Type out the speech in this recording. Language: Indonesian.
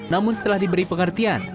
namun setelah diberi pengertian